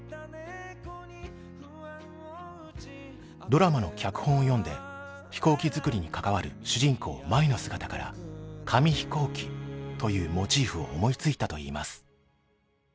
ドラマの脚本を読んで飛行機作りに関わる主人公舞の姿から紙飛行機というモチーフを思いついたといいます。